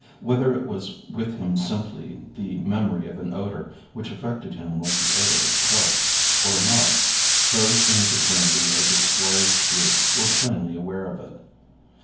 Whether it was with him simply the memory of an odor, which affected him like the odor itself, or not, those in the vicinity of the Squire's pew were plainly aware of it.